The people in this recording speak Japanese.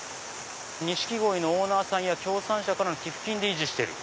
錦鯉のオーナーさんや協賛者からの寄付金で維持してる。